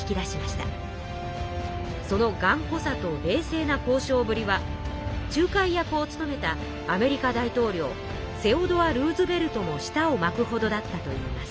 そのがんこさと冷静な交渉ぶりは仲介役を務めたアメリカ大統領セオドア・ルーズベルトも舌をまくほどだったといいます。